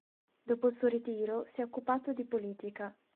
Dopo il suo ritiro si è occupato di politica.